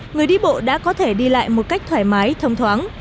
người đi bộ đã có thể đi lại một cách thoải mái thông thoáng